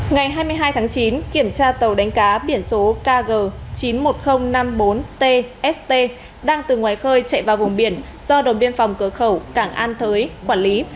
ngày hai mươi hai tháng chín kiểm tra tàu đánh cá biển số kg chín mươi một nghìn năm mươi bốn tst đang từ ngoài khơi chạy vào vùng biển do đồng biên phòng cửa khẩu cảng an thới quản lý